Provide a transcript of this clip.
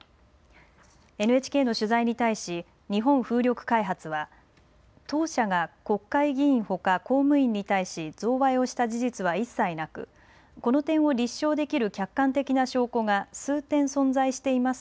ＮＨＫの取材に対し日本風力開発は当社が国会議員ほか公務員に対し贈賄をした事実は一切なくこの点を立証できる客観的な証拠が数点存在しています。